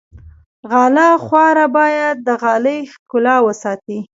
غاله خواره باید د غالۍ ښکلا وساتي.